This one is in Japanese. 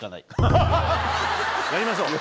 やりましょう。